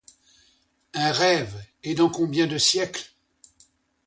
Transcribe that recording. Un rêve, et dans combien de siècles!